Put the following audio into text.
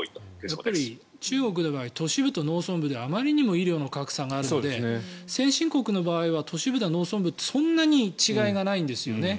やっぱり中国の場合都市部と農村部であまりに医療の格差があるので先進国の場合は都市部だ、農村部だでそんなに違いがないんですよね。